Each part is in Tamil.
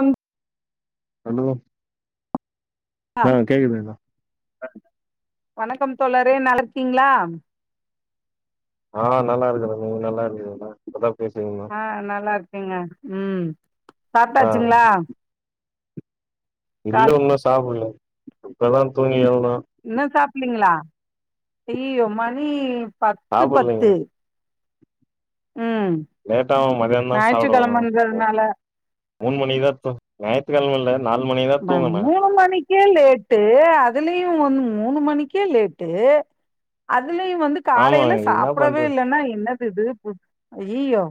அம் அலோ ஆ கேக்குதுங்ளா வணக்கம் தோழரே நல்லருக்கீங்ளா ஆ நல்லாருக்கற நீங்க நல்லாருக்கறீங்ளா இப்பதா பேசுனிங்க ஆ நல்லாருக்கேங்க ம் ஆ சாப்ட்டாச்சுங்ளா இல்ல உன்னு சாப்பட்ல இப்பதா தூங்கி எழ்றே இன்னு சாப்புல்லீங்ளா அய்யய்யோ மணி பத்து சாப்புட்லீங்க பத்து ம் லேட்டாவு மதியானந்தா ஞாய்ற்றுக் கெழம்மங்கறனால மூன் மணி தா நாய்த்து கழமல்ல ம மூணு மணிக் ஏ லேட்டு அதுலேயு ஒன்னு மூணு மணிக்கே லேட்டு அதுலேயு வந்து ஆமா காலைல என்னா சாப்டவே பண்றது இல்லன்னா என்னது இது அய்யய்யோ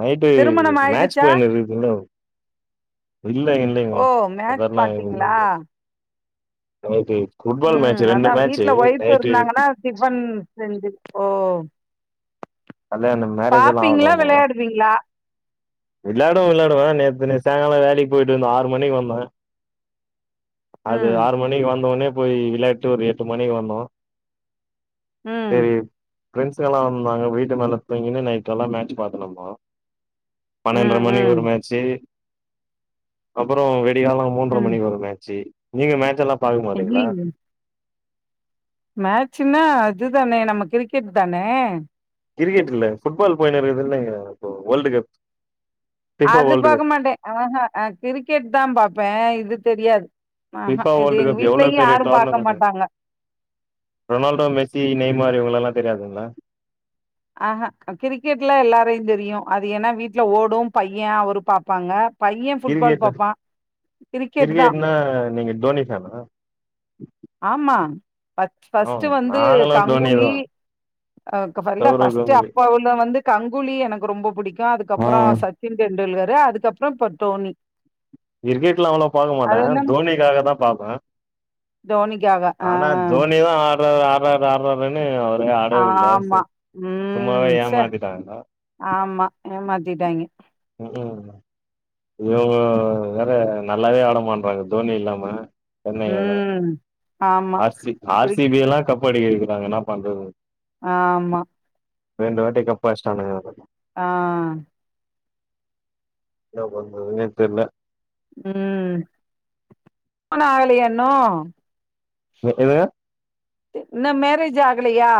நைட்டு மேட்ச போய்னு இருக்குது இன்னு இல்லைங்க இன்னு இல்லங்க ஓ [unintelligible] மேட்ச் பாத்தீங்களா ஒன்னு இல்ல [unintelligible] ஃபுட்பால் மேட்ச்சு ரெண்டு மேட்ச்சு நைட்டு டிபன் செஞ்சிப்போ கல்யாணம் மேரேஜ் எல்லா பாப்பீங்ளா வெளாடுவீங்ளா? விளையாடுவ விளையாடுவே நேத்து நே சாயங்காலோ வேலைக்கு போயிட்டு வந்த ஆறு மணிக்கு வந்தே அது ம் ஆறு மணிக்கு வந்தோனே போய் விளையாண்ட்டு ஒரு எட்டு மணிக்கு வந்தோ ம் தெரியு பிரெண்ட்ஸ்க எல்லா வந்தாங்க வீட்டுமேல தூங்கின்னு நைட்டெல்லா மேட்ச் பாத்துட்டு இருந்தோ பன்னெண்டற ம் மணிக்கு ம் ஒரு மேச்சு அப்றோ விடியாலோ மூன்றரை ம் மணிக்கு ஒரு மேட்சு நீங்க மேட்ச் எல்லா பாக்க மாட்டீங்களா மேட்ச்னா அதுதானே நம்ம கிரிக்கெட்தான கிரிக்கெட் இல்ல ஃபுட்பால் போயினு இருக்குதுன் நினைக்கிறே இப்போ வேர்ல்டு கப் ஃபிஃபா அது வேர்ல்டு பாக்க கப் மாட்டே ஆ ஹ கிரிக்கெட் தா பாப்பே இது தெரியாது ஆ ஹ ஃபிஃபா இது வேர்ல்டு எங்க கப் எவ்ளோ வீட்லையு பெரிய யாரும் பார்க்க டோர்னமெண்ட்டு மாட்டாங்க ரொனால்டோ மெர்சி நேம் மாறி இவங்களல்லா தெரியாதுங்களா ஆ ஹகிரிக்கெட்லா எல்லாரையு தெரியு அது ஏன்னா வீட்ல ஓடும் பையன் அவரு பாப்பாங்க பைய ஃபுட்பால் கிரிக்கெட் பாப்பா கிரிக்கெட் தா கிரிக்கெட்டுன்னா நீங்க தோனி ஃபேனா ஆமா ஃபஸ் ஆ ஃபஸ்ட் வந்து நாங்களு டோனி தா கங்குலி அ [unintelligible] சௌரவ் ஃபர்ஸ்ட்டு கங்குலி அப்போ உள் அப்ப வந்து கங்குலி எனக்கு ரொம்ப புடிக்கு ஆ அதுக்கப்றோ சச்சின் டெண்டுல்கர் அதுக்கப்றோ இப்ப வந்து தோனி கிரிக்கெட்லா அவ்ளோ பாக்க மாட்டே என்ன தோனிக்காக தா பாப்பே தோனிக்காக ஆ ஆனா தோனி தா ஆடுறாரு ஆடுறார் ஆடுறார்ன்னு அவரே ஆடவே உடுலா ஆமா சும்மாவே ம் சே ஏமாத்திட்டாங்கோ ஆமா ஏமாத்திட்டாங்கே ஹ் ஹ் ம் இவ்ங்க வேற நல்லாவே ஆட மாட்றாங்க தோனி இல்லாம சென்னை வேற ம் ஆமா ஆர் சி ஆர் சி இருக் பி எல்லா கப்படிக்க வைக்கிறாங்க என்னா பண்றது ஆமா ரெண்டு வாட்டி கப்படிச்சிட்டாங்க இவனுங்க ஆ என்ன பண்ணுறதுனே தெரில ம் ஆனா, ஆகலையா இன்னு என்னங்க இன்னு மேரேஜ் ஆகலையா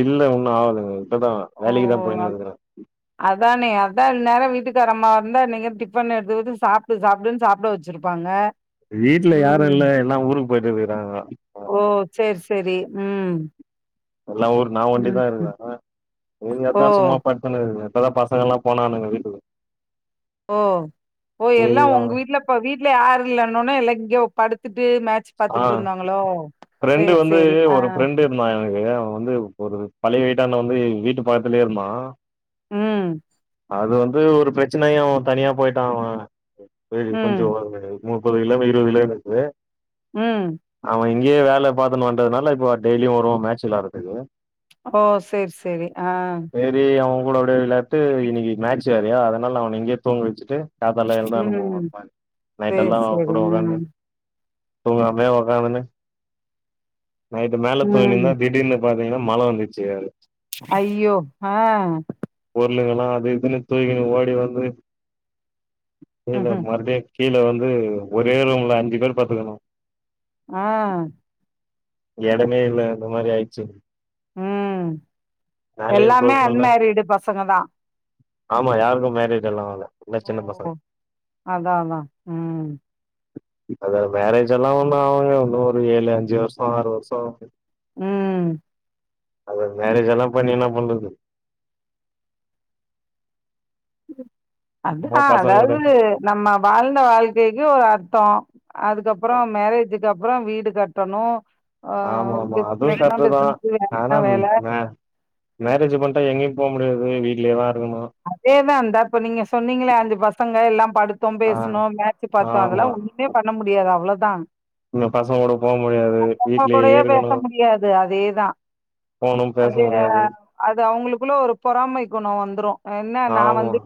இல்ல உன்னு ஆகலங்க இப்பதா ஓ வேலைக்குதான் போய்னு இருக்கறே அதானே அதா இந் நேரோ வீட்டுக்காரம்மாவ இருந்தா இந்நேரோ டிஃபன் எடுத்து வச்சு சாப்டு சாப்டுன்னு சாப்பிட வச்சிருக்கு வச்சிருப்பாங்க வீட்ல யாரு ம் இல்ல எல்லா ஊருக்கு போயிட்டு இருக்கிறாங்க ஓ சேரி சேரி ம் எல்லா ஊர் நா ஒண்டிதா ம் இருக்கறே சேரி ஓ அதா சும்மா படுத் உக்காந்துனிருக்கறே இப்பதா பசங்கள்லா போனானுங்க வீட்டுக்கு ஓ ஓ எல்லா சேரி ஆ உங்க வீடல வீட்ல யாரு இல்லேன்னு உடனே இங்கே எல்லா படுத்துட்டு மேட் மேட்ச் பார்த்துட்டு ஆ இருந்தாங்களோ சேரி சேரி அ மா எனக்கு அவன் வந்து எனக்கு ஒரு பழைய வீட்டான்டா வந்து வீட்டு பக்கத்திலயே இருந்தா ம் அது வந்து ஒரு பிரச்சனையு தனியா போயிட்டா அவன் சேரி கொஞ்சோ ம் [unintelligible] முப்பது கிலோ இருவது கிலோ மீட்ரு ம் அவே இங்கயே வேல பாத்துன்னு வண்டதுனால இப்போ டெய்லியு வருவா மேட்ச் விளாட்றதுக்கு ஓ சேர் சேரி ஆ சேரி அவே கூட அப்டியே விளாண்ட்டு இன்னக்கி மேட்ச் வேறையா அதனால அவன இங்கயே தூங்க வச்சிட்டு காத்தால எழுந்து ம் அனுப்புவோன்னு நைட் சேரி எல்லா அவன் சேரி கூட ம் ஒக்காந்துன்னு தூங்காமயே ஒக்காந்துன்னு நைட் மேல தூங்கின்னு ம் இருந்தே திடீன்னு பாத்தீங்கன்னா மழ வந்துருச்சி வேற அய்யோ ஆ பொருளுங்கல்லா அது இதுன்னு தூக்கின்னு ஓடி வந்து கீழ ம்ஹ்ம் மறுடியு கீழ வந்து ஒரே ரூம்ல அஞ்சி பேர் படுத்துக்கணு ஆ எடமே இல்ல அந்த மாரி ஆயிடுச்சி ம் மேலயு எல்லாமே போகுல்ல அன்மேரிடு பசங்க தா ஆமா யாருக்கு மேரேஜ் எல்லா ஆவல என்ன ஓ சின்ன பசங்க அதா அதா ம் இப்பவே மேரேஜ் எல்லா ஒண்ணு ஆவுங்க இன்னு ஒரு ஏழு அஞ்சி வருஷோ ஆறு வருஷோ ஆவுங்க ம் அது மேரேஜ் எல்லா பண்ணி என்ன பண்றது சும்மா அதுதா பசங்களோட அதாவது நம்ம வாழ்ந்த வாழ்க்கைக்கு ஒரு அர்த்தோ அதுக்கப்பறோ மேரேஜுக்கு அப்பறோ வீடு கட்டணு ஆமா ஆமா அதுவு கரெட்டுதா வேலைன்னா ஆனா வேல. என்ன மேரேஜ் பண்ணிட்டா எங்கயு போ முடியாது வீட்லயேதா இருக்கணு அதேதா இந்த இப்ப நீங்க சொன்னீங்களே அஞ்சி பசங்க எல்லா படுத் தோ ஆ பேசுனோ மேச்சி பாத்தோ அதெல்லா ஆமா ஒண்ணுமே பண்ண முடியாது அவ்ளோதா இந்த பசங்களோட போ முடியாது அவுங்க வீட்லயே கூடையே பேச இருக்கணு முடியாது அதேதா ஃபோனு பேச அது முடியாது அது அவுங்களுக்குள்ள ஒரு பொறாமை குணோ வந்துரு என்ன நா ஆமா வந்து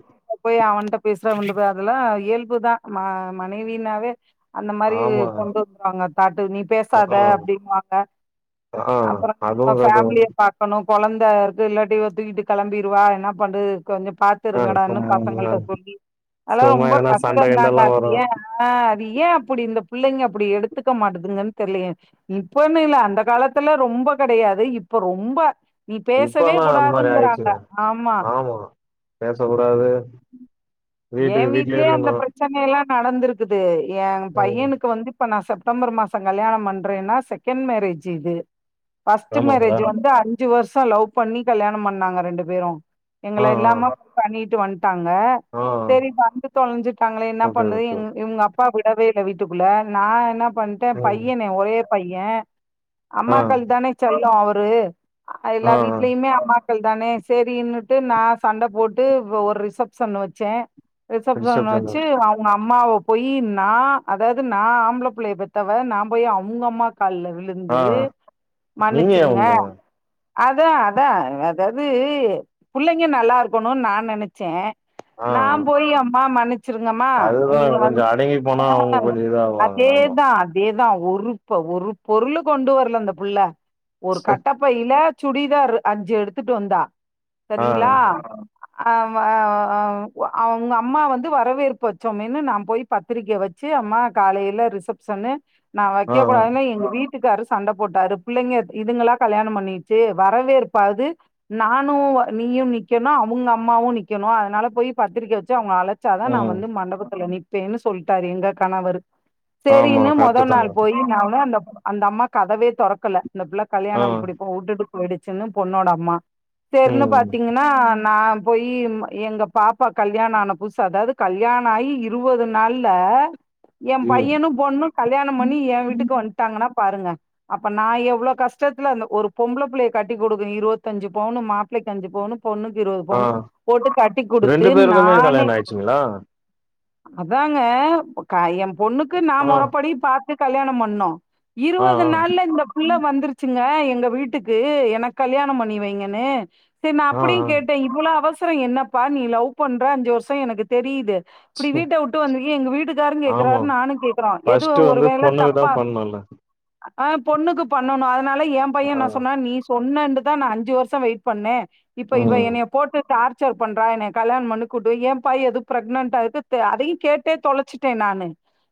போய் அவன்ட்ட பேசுறா இவன்ட்ட அதெல்லா இயல்புதா ம மனைவினாவே அந்த மாரி ஆமா கொண்டு வந்துருவாங்க பாத்ததுமே பேசாத அப்றோ அப்டின் வாங்க ஆ அப்பறோ அதுவு நம்ம வரு ஃபேமிலிய பாக் பாக்கணு கொழந்த இருக்கு இல்லாட்டி இவ தூக்கிட்டு கெளம்பிருவா என்ன பண்றது கொஞ்சோ பாத் ஆ இருங்கடான்னு சும் பசங்கள்ட்ட சொல்லி அதெல்லா சும்மா ரொம்ப எதனா சண்ட கஷ்டந்தாங்க கிண்டல்லா அது வரு ஏ ஆ அது ஏ அப்டி இந்த பிள்ளைங்க அப்டி எடுத்துக்க மாட்டதுங்கன்னு தெர்லயே இப்பன்னு இல்ல அந்த காலத்துல ரொம்ப கெடையாது இப்ப ரொம்ப நீ பேசவே இப்பல்லா அந்த மாரி கூடாதுங்கிறாங்க ஆயிடுச்சுங்க ஆமா ஆமா பேச கூடாது வீட்டு வீட்லயே இருக்கணு பிரச்சனையெல்லா நடந்திருக்குது ஏ ம் பையனுக்கு வந்து இப்ப நா செப்டம்பர் மாசோ கல்யாணம் பண்றேன்னா செகண்ட் மேரேஜ் இது ஃபர்ஸ்ட் ஆமாங்களா மேரேஜ் வந்து அஞ்சி வருஷோ லவ் பண்ணி கல்யாணம் பண்ணாங்க ரெண்டு பேரு எங்கள ஆ ஆ இல்லாம பண்ணிட்டு வன்ட்டாங்க ஆ செரி வந்து தொலைஞ்சிட்டாங்கலே என்ன ஓகே பண்றதுன்னு ஓகே இவ இவுங்க அப் அப்பா விடவே இல்ல வீட்டுக்குள்ள நா என்ன பண்ட ம் பையன ஒரே பைய ஆ அம்மாக்கள் தானே செல்லோ அவரு ஆ எல்லா ஆ வீட்லயுமே அம்மா கள் தானே சேரின்னுட்டு நா சண்ட போட்டு ஒரு ரிசபஷன் வச்சே ரிசப்ஷன் வச்சி அவுங்க அம்மாவ போய் நா அதாவது நா ஆம்பள பிள்ளைய பெத்தவ நா போய் அவுங்க அம்மா கால்ல விழுந்து ஆ ஆ வந்து நீங்க ஏ மன்னிச்சிருங்க உடுங்க அதா அதா அதாது நீங்க நல்லா இருக்கணுனு நா நெனச்சே ஆ நா ஆ போய் அம்மா மன்னிச்சிருங்கம்மா அதுதா நீங்க வந் கொஞ்சோ அடங்கி போனா அவங்க ஆ கொஞ்சோ இதாவாங்க ஆமா அதேதா அதேதா ஒரு ப ஒரு பொருளு கொண்டு வர்ல அந்த புள்ள ஒரு கட்ட ப்பைல சுடிதாரு அஞ்சு எடுத்துட்டு வந்தா ஆ சரிங்களா அவ ஓ அவுங்க அம்மா வந்து வரவேற்பு வச்சோமேன்னு நா போய் பத்திரிக்கை வச்சு அம்மா காலையில ரிசப்ஷன்னு நா ஆ ஆ வைக்ககூடாதுன்னு எங்க வீட் வீட்டுக்காரு சண்ட போட்டாரு பிள்ளைங்க இதுங்கலா கல்யாணம் பண்ணிச்சு வரவேற்பாது நானும் நீயும் நிக்கணு அவுங்க அம்மாவும் நிக்கணு அதனால போய் பத்திரிக்கை ச்சு அவுங்க அழச்சாதா நா ம் வந்து மண்டபத்துல நிப்பேனு சொல்ட்டாரு எங்க கணவரு ஆமா சேரின்னு கரெக்ட்டு முதல் தாங்க நாள் போய் நானு அந்த அந்த அம்மா கதவே தொறக்கல இந்த பிள்ளை ஆ கல்யாணம் பிடி உட்டுட்டு போயிடுச்சுன்னு பொண்ணோட அம்மா தெர்ன்னு பா ம் ங்ன்னா நா போயி இம்மு எங்க பாப்பா கல்யாண ஆன புதுசு அதாவ்து கல்யாணாயி இரு இருவது நாள்ல என் ம் பையனும் பொண்ணும் கல்யாணம் பண்ணி ஏன் வீட்டுக்கு வந்துட்டாகன்னா பாருங்க அப்ப நா எவ்ளோ கஷ்டத்துல அந்த ஒரு பொம்பள புள்ளைய கட்டி கொடுக்க இருவத்தஞ்சு பவுன்னு மாப்பிள்ளைக் அஞ்சு பவுனு பொண்ணுக்கு இருவது பவுனு ஆ போட்டு கட்டி குடுத்து ரெண்டு பேருக்குமே நானே கல்யாண ஆயிடுச்சுங்களா? அதாங்க ஏன் பொண்ணுக்கு நா ஆ, முறப்படி பாத் டு கல்யாணம் பண்ணோ ஆ, இருவது ஆ, நாள்ல இந்த உள்ள வந்துருச்சுங்க எங்க வீட்டுக்கு எனக் கல்யாணம் பண்ணி வைங்கன்னு சரி நா ஆ, அப்படியு ஆ. கேட்டேன் இவ்வளோ அவசரம் என்னப்பா நீ லவ் பண்ற அஞ்சு வருஷம் எனக்கு தெரியுது இப்படி வீட்ட வுட்டு வந்துருக்க எங்க வீட்டுக்காரும் ஆமா. கேக்குறாரு நானு கேக்குறோ ஃபர்ஸ்ட்டு எதுவும் ஒரு வந்து வேள பொண்ணுக்கு தப்பா தான் பண்ணும்ல. ஆ பொண்ணுக்கு பண்ணனு அதனால ஏன் பைய ஆ, என்ன சொன்னா நீ பொண்ணுன் தான் நா அஞ்சு வருஷம் வெயிட் பண்ணே இப்ப இவ ம், என்னைய போட்டு டார்ச்சர் பண்றா என்னைய கல்யாணம் பண்ண கூட்டு வை ஏம்பா எதுவும் பிரெக்னட் ஆ அதையு கேட் டே தொலச்சுட்டே நானு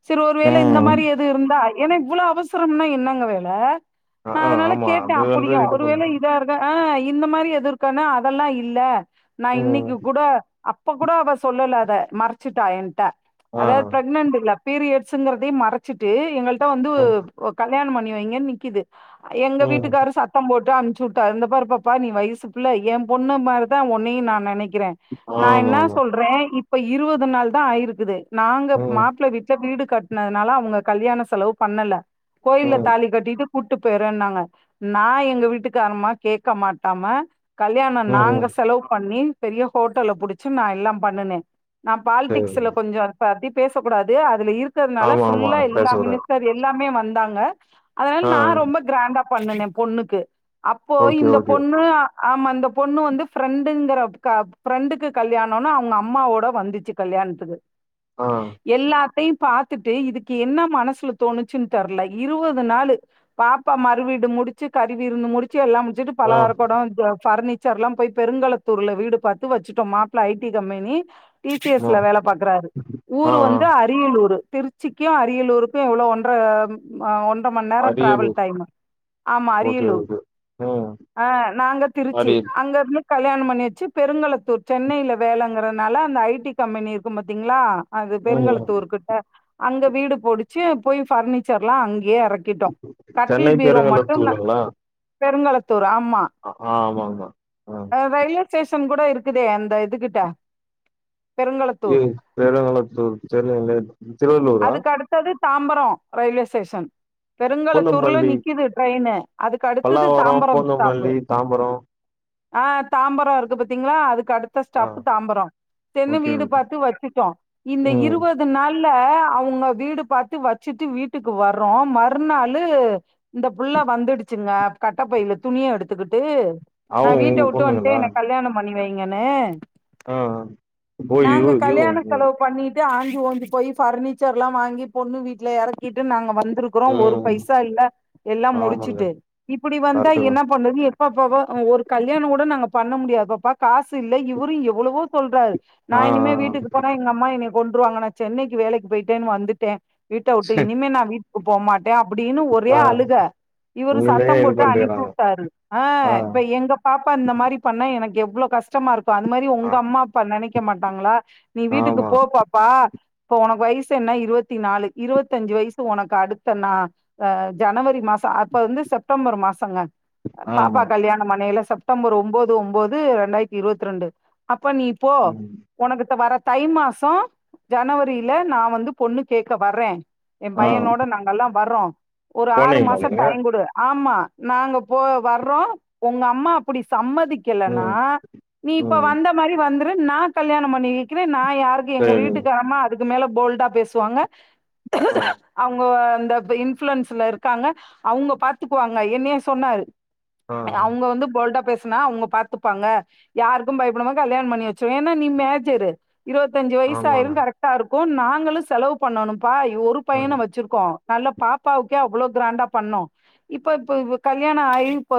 செரி ஒருவேள இந்த ம். மாரி எது இருந்தா ஏனா இவ்வளோ அவசரம்னா என்னங்க வேல அ, நா ஆ, அதனால ஆமா. கேட்ட அது வந்து அப்படியு இது பண்ணும். ஒருவேள இதா இருக் ஆ இந்த மாரி எத இருகானா அதெல்லா இல்ல நா ம், இன்னைக்கு கூட அப்ப கூட அவ சொல்லலா அத மறச்சுட்டா என்ட ஆ, அது பிரெக்னன்ட் இல்ல பீரியட்ஸ்ங்கிறதையு மறச்சிட்டு எங்கள்ட்ட வந்து ம், கல்யாணம் பண்ணி வைங்கன்னு நிக்கிது எங்க ம். வீட்டுக்காரு சத்தம் போட்டு அனுப்ச்சு வுட்டாரு இந்த பாரு பாப்பா நீ வயசு பிள்ள ஏ பொண்ணு மாரிதா உன்னையு நா நெனைக்கிறே நா என்னா ஆமாமா. சொல்றேன் இப்ப இருவது நாள் தான் ஆயிருக்குது நாங்க ம், மாப்பிள்ள வீட்ல வீடு கட் பண்ணதுனால அவுங்க கல்யாண செலவு பண்ணல கோயில்ல ம், தாலி கட்டீட்டு கூட்டு போயர்றேன்னாங்க நா எங்க வீட்டுக்காருமா கேக்க மாட்டாம கல்யாணோ நாங்க ம். செலவு பண்ணி பெரிய ஹோட்டல புடிச்சு நா எல்லா பண்ணுனே நா சரிங்க. பாலிடிக்ஸ்ல கொஞ்சோ இருப்ப அத பத்தி பேச கூடாது அதுல இருக்கிறதுனால ஆமாமா. ஃபுல்லா எல்லா பேசக்கூடாது. மினிஸ்டர் எல்லாமே வந்தாங்க அதனால ஆ, நா ரொம்ப கிராண்டா பண்ண என் பொண்ணுக்கு அப்போ ஓகே, இந்த ஓகே. பொண்ணு ஆமா இந்த பொண்ணு வந்து ஃப்ரெண்டுங்குர ஃப்ரெண்டுக்கு கல்யாணம்னு அவுங்க அம்மாவோட வந்துச்சு கல்யாண்த்துக்கு ஆ, எல்லாத்தையு பாத்துட்டு இதுக்கு என்ன மனசுல தோணுச்சுன் தெர்ல இருவது நாளு பாப்பா மறு வீடு முடிச்சு கறி விருந்து முடிச்சு எல்லா முடிச்சுட்டு ஆ, பலகார குடம் பர்னிச்சர் எல்லா போய் பெருங்களத்தூர்ல வீடு பாத்து வச்சுட்டோ மாப்பிள்ள ஐடி கம்பெனி ஆ, டிடிஎஸ்ல வேல பாக்குறாரு ஆ, ஊரு ஆ. வந்து அரியலூரு திருச்சிக்கு அரியலூருக்கு எவ்வளோ ஒன்ர அ ஒன்ர மண் நேரம் டிராவல் அரியலூர். டைம்மு ஆமா ஓகே, அரியலூர் ஓகே. ம். அ நாங்க திருச்சி அரியல் அங்க இருந்து கல்யாணம் பண்ணி வச்சு பெருங்களத்தூர் சென்னையில வேலங்கிறதுனால அந்த ஐடி கம்பெனி இருக்கும் பாத்தீங்களா அது ம். பெருங்களத்தூர் கிட்ட அங்க வீடு புடிச்சு போய் பர்னிச்சர் எல்லா அங்கையே இறக் கேட்டோ சென்னை கட்டில் பீரோ மட்டும்லா பெருங்கலத்தூருங்களா? பெருங்களத்தூர் ஆமா அ ஆ ஆமாமா ஆ அ ரயில்வே ஸ்டேஷன் கூட இருக்குதே அந்த இது கிட்ட எது பெருங்களத்தூர் தெரிலங்கலே திருவள்ளூரா க்கிறது தாம்பரோ ரயில்வே ஸ்டேஷன் பெருங்கலத்தூர்ல பூந்தமல்லி நிக்கிது ட்ரெய்ன்னு அதுக்கு அடுத்தது தாம்பரம் ஸ்டாப்பு தாம்பரோ ஆ தாம்பரோ இருக்கு பாத்தீங்களா அதுக்கு அடுத் அடுத்த ஆ ஸ்டாப்பு தாம்பரோ செரினு ஓகே வீடு ஓகே பாத்து வச்சுட்டோ இந்த ம் இருவது து நாள்ல அவங்க வீடு பாத்து வச்சுட்டு வீட்டுக்கு வர்றோ மறுநாளு இந்த புள்ள வந்துடுச்சுங்க கட்டப்பைல துணிய எடுத்துக்கிட்டு அவ நா வீட்ட உங்க உட்டு வன்டே பொண்ணுங்களா எனக்கு கல்யாண பண்ணி வைங்கன்னு ஆ ஓ யு நாங்க யு கல்யாண செலவு பண்ணி ட்டு ஆஞ்சி ஓஞ்சி போய் ஃபர்னிச்சர்ல்லா வாங்கி பொண்ணு வீட்ல எறக்கிட்டு நாங்க வந்துருக் ருக்றோ ஒரு ம் பைசா இல்ல எல்லா ஆமாங்க முடிச்சுட்டு இப்டி வந்தா கரெக்ட்டு என்ன பண்ணுது எப்பப்ப ஒரு கல்யாண கூட நாங்க பண்ண முடியாது பாப்பா காசு இல்ல இவரு எவ்ளவோ சொல்றாரு நா தா ஆ இனிமே ஆ வீட்டுக்கு போனா எங்க அம்மா என்னைய கொண்ட்ருவாங்க நா சென்னைக்கு வேலைக்கு போய்ட்டேன்னு வந்துட்டே வீட்ட உட்டு சரி. இனிமே நா வீட்டுக் போ மாட் டே அப்டின்னு ஒரே ஆ அழுக இவரு சத்த உங்களயே இது போட்டு அனுப்பி பண்ட்டுக்கறாங்க விட்டாரு ஆ இப்ப எங்க பாப்பா இந்த மாரி பண்ணா எனக்கு எவ்ளோ கஷ் கஸ்டமா இருக்கோ அந்த மாரி ஆ உங்க அம்மா அப்பா நெனைக்க மாட்டாங்களா நீ வீட்டுக்கு ஆமா போ பாப்பா இப்போ ஒனக்கு வயஸ் என்ன இருவத்தி நாலு இருவத்தி அஞ்சு வயசு ஒனக்கு அடுத்த நா அ ஜனவரி மாஸ் ச அப்ப வந்து செப்டம்பர் மாசங்க பாப்பா ஆமா கல்யாண பண்னைல செப்டம்பர் ஒம்போது ஒம்போது ரெண்டாயிரத்தி இருவத்தி ரெண்டு அப்ப நீ போ ம் உனக்குத்த வர்ற தை மாசோ ஜனவரியில நா வந்து பொண்ணு கேக்க வர்றே எ ஆ பையனோட நாங்க எல்லா வர்றோ ஒரு ஆறு போனீங்களா மாசோ நீங்க டைம் குடு ஆமா நாங்க போ வர்றோ உங்க அம்மா அப்டி சம்மதிக்கலன்னா ம் நீ இப்ப ம் வந்த மாரி வந்துரு நா கல்யாணம் பண்ணி வெக்கிறே நா யாருக்கு எங்க சேரிங்க வீட்டுக்காரம்மா அதுக்கு மேல போல்டா பேசுவாங்க ஆ அவுங்க அந்த இன்ஃப்ளூயென்ஸ்ல இருக்காங்க அவூங்க பாத்துக்குவாங்க என்னய சொன்னாரு ஆ அவுங்க வந்து போல்டா பேசனா அவுங்க பாத்துப்பாங்க யாருக்கு பயப்படமா கல்யாணம் பண்ணி வெச்சிருவே ஏன்னா நீ மேஜர்ரு இருவத்தஞ்சி வயசு ஆயிரு ஆமாங்க கரெக்டா இருக்கு நாங்களு செலவு பண்ணணும்ப்பா ஒரு ஆ பையன வச்சிரு க்கோ நல்லா பாப்பாவுக்கே அவ்ளோ கிராண்டா பண்ணோ இப்ப இப்ப கல்யாண ஆயி இப்ப